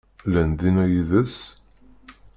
Llant dinna yid-s?